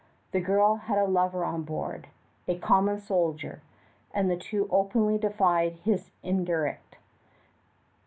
The girl had a lover on board, a common soldier, and the two openly defied his interdict.